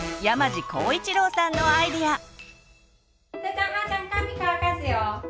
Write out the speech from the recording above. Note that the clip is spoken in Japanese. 山地浩一郎さんのアイデア！